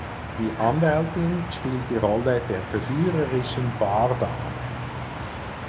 Die Anwältin spielt die Rolle der verführerischen Bardame.